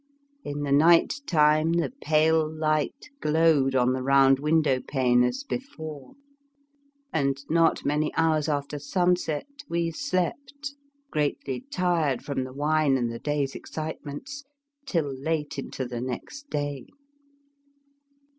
In the night time the pale light glowed on the round window pane as before, and not many hours after sunset we slept, greatly tired from the wine and the day's excitements, till late into the next day.